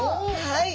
はい。